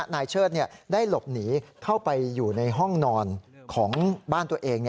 เชิดได้หลบหนีเข้าไปอยู่ในห้องนอนของบ้านตัวเอง